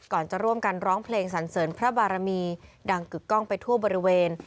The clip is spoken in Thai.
ก่อนจะร่วมกันร้องเพลงสันเสริญพระบารมีดังกึกกล้องไปทั่วบริเวณ